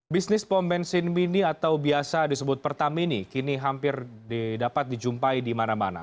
bisnis pom bensin mini atau biasa disebut pertamini kini hampir dapat dijumpai di mana mana